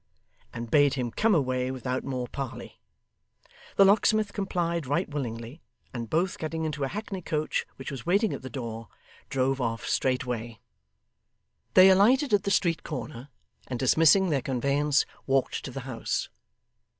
and bade him come away without more parley. The locksmith complied right willingly; and both getting into a hackney coach which was waiting at the door, drove off straightway. They alighted at the street corner, and dismissing their conveyance, walked to the house.